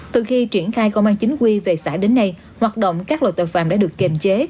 từ khi triển khai công an chính quy về xã đến nay hoạt động các loại tội phạm đã được kiềm chế